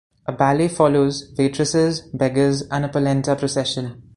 A ballet follows: waitresses, beggars, and a polenta procession.